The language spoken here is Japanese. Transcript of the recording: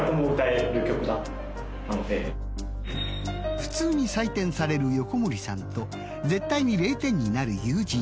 普通に採点される横森さんと絶対に０点になる友人。